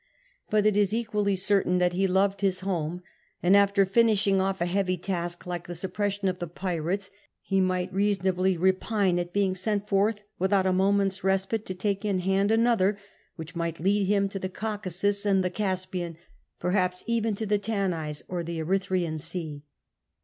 But it is equally certain that he loved his home, and after finishing off a heavy task like the suppression of the pirates, he might reasonably repine at being sent forth without a moment's respite to take in hand another, which might lead him to the Caucasus and the Caspian, perhaps even to the Tanais or the Erythr^an Sea.